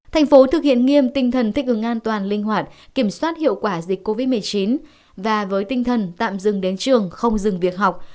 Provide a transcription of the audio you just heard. thành phố thực hiện nghiêm tinh thần thích ứng an toàn linh hoạt kiểm soát hiệu quả dịch covid một mươi chín và với tinh thần tạm dừng đến trường không dừng việc học